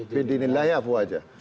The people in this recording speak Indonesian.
bindini llahi abu wajah